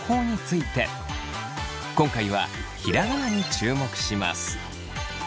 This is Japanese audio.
今回はひらがなに注目します。